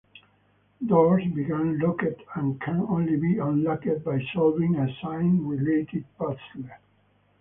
Doors begin locked and can only be unlocked by solving a science-related puzzle.